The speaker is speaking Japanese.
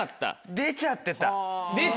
出ちゃってた。